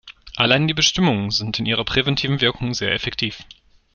Allein die Bestimmungen sind in ihrer präventiven Wirkung sehr effektiv.